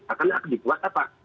akhirnya akan dibuat apa